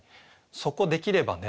そこできればね